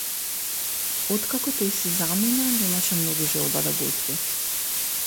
Откако тој си замина, немаше многу желба да готви.